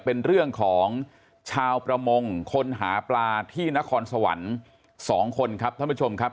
เป็นเรื่องของชาวประมงคนหาปลาที่นครสวรรค์๒คนครับท่านผู้ชมครับ